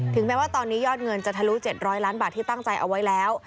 แม้ว่าตอนนี้ยอดเงินจะทะลุ๗๐๐ล้านบาทที่ตั้งใจเอาไว้แล้ว